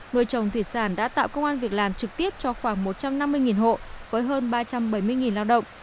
nuôi trồng thủy sản đã tạo công an việc làm trực tiếp cho khoảng một trăm năm mươi hộ với hơn ba trăm bảy mươi lao động